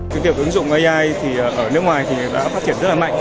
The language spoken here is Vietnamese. các doanh nghiệp ứng dụng ai ở nước ngoài đã phát triển rất là mạnh